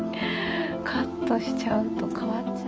カットしちゃうと変わっちゃう。